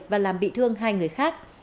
và làm bị thương hai người khác